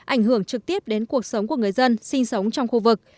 ảnh hưởng trực tiếp đến cuộc sống của người dân sinh sống trong khu vực